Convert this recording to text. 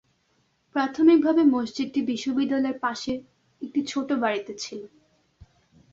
প্রাথমিকভাবে মসজিদটি বিশ্ববিদ্যালয়ের পাশের একটি ছোট বাড়িতে ছিল।